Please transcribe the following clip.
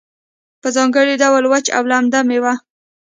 په ځانګړي ډول وچه او لمده میوه